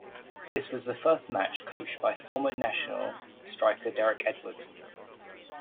This was the first match coached by former national striker Derrick Edwards.